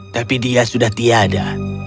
tapi dia sudah tiada